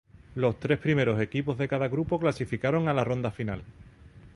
Los tres primeros equipos de cada grupo clasificaron a la ronda final.